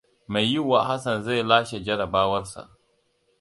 Mai yiwuwa Hassan zai lashe jarabawar sa.